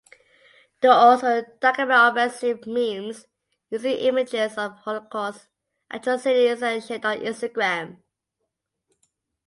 They also document offensive memes using images of Holocaust atrocities and shared on Instagram.